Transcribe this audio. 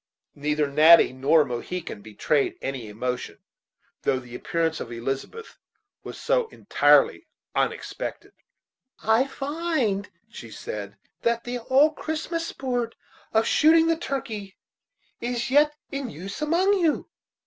Neither Natty nor Mohegan betrayed any emotion, though the appearance of Elizabeth was so entirely unexpected. "I find," she said, "that the old Christmas sport of shooting the turkey is yet in use among you.